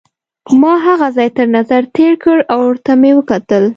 ما هغه ځای تر نظر تېر کړ او ورته مې وکتل.